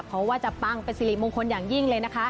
เพราะว่าจะปังเป็นสิริมงคลอย่างยิ่งเลยนะคะ